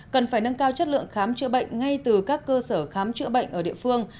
cần phải nâng cao chất lượng khám chữa bệnh ngay từ các cơ sở khám chữa bệnh ở địa phương